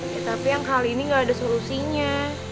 ya tapi yang kali ini gak ada solusinya